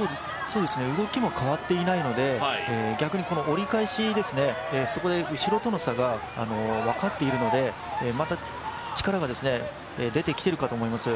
動きも変わっていないので、逆に折り返し、そこで後ろとの差が分かっているので、また力が出てきてるかと思います。